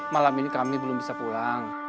malam ini kami belum bisa pulang